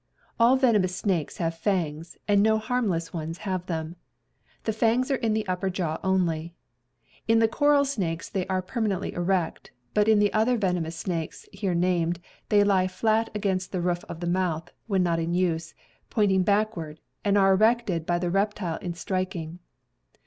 All venomous snakes have fangs, and no harmless ones have them. The fangs are in the upper jaw only. In the coral snakes they are permanently erect, but in the other venomous snakes here named they lie flat against the roof of the mouth, when not in use, point ing backward, and are erected by the reptile in striking.